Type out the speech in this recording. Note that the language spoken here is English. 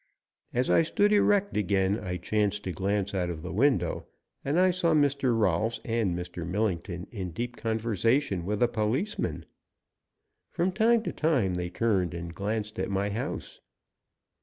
As I stood erect again I chanced to glance out of the window, and I saw Mr. Rolfs and Mr. Millington in deep conversation with a policeman. From time to time they turned and glanced at my house.